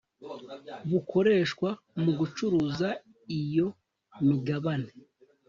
bukoreshwa mu gucuruza iyo migabane